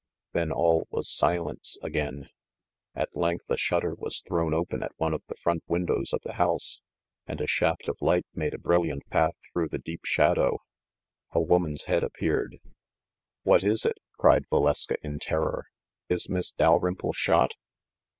Then all was silence again. At length a 162 THE*" MASTER^ OF MYSTERIES shutter was thrown open at one of the front windows of the house, and a shaft of light made a brilliant path through the deep shadow. A woman's head appeared. "What is it?" cried Valeska in terror. "Is Miss Dalrymple shot